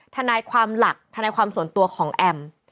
ทนายความหลักทนายความส่วนตัวของแอม